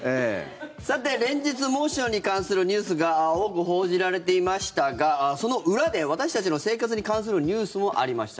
さて、連日猛暑に関するニュースが多く報じられていましたがその裏で私たちの生活に関するニュースもありました。